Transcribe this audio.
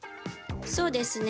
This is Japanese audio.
そうですね。